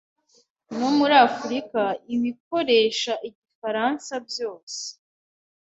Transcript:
no muri Afurika ibikoresha igifaransa byose.